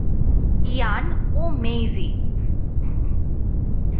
ইয়ান, ও মেইজি।